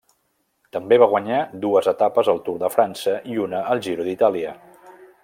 També va guanyar dues etapes al Tour de França i una al Giro d'Itàlia.